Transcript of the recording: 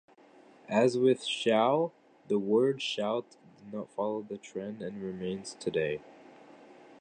As with "shall", the word "shalt" did not follow the trend and remains today.